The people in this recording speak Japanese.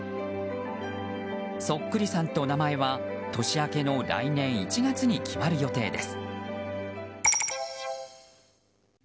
そっくりさんと名前は年明けの来年１月に決まる予定です。